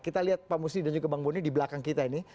kita lihat pak musli dan juga bang boni di belakang kita ini